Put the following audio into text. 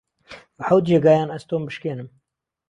به حەوت جێگایان ئەستۆم بشکێنم